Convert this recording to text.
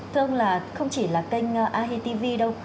thưa ông là không chỉ là kênh ahe tv đâu